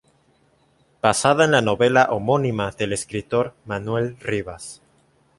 Basada en la novela homónima del escritor Manuel Rivas.